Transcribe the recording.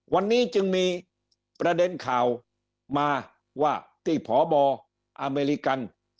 วันนี้จึงมีประเด็นข่าวมาว่าที่พบอเมริกัน